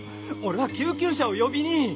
俺は救急車を呼びに。